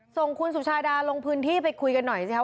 ส่งคุณสุชาดาลงพื้นที่ไปคุยกันหน่อยสิครับ